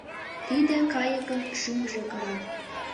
Тиде кайыкын шӱмжӧ кыра.